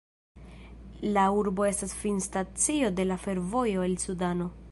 La urbo estas finstacio de la fervojo el Sudano.